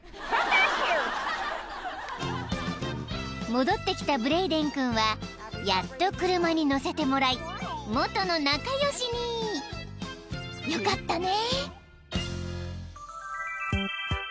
［戻ってきたブレイデン君はやっと車に乗せてもらい元の仲良しに］［よかったね］